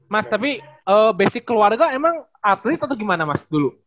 mas tapi basic keluarga emang atlet atau gimana mas dulu